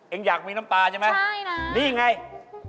เอ็งอยากมีน้ำตาใช่ไหมนี่ไงใช่น่ะ